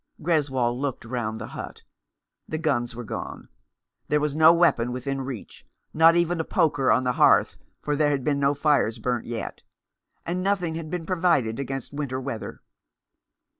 Greswold looked round the hut. The guns were gone. There was no weapon within reach, not even a poker on the hearth, for there had been no fires burnt yet, and nothing had been provided against winter weather.